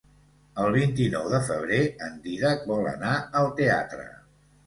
El vint-i-nou de febrer en Dídac vol anar al teatre.